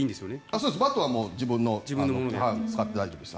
そうです、バットは自分のバットを使って大丈夫です。